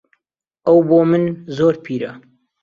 ئەو بۆ من زۆر پیرە.